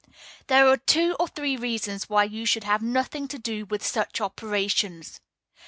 There are two or three reasons why you should have nothing to do with such operations.